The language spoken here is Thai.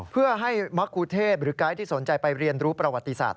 เพื่อให้มะคูเทพหรือไกด์ที่สนใจไปเรียนรู้ประวัติศาสต